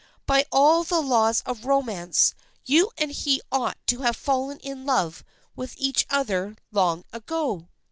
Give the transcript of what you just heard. By all the laws of romance you and he ought to have fallen in love with each other long ago."